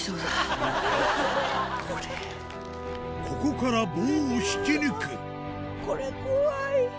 ここから棒を引き抜くこれ怖い。